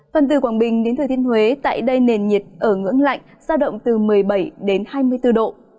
phần từ quảng bình đến thừa thiên huế tại đây nền nhiệt ở ngưỡng lạnh sao động từ một mươi bảy đến hai mươi bốn độ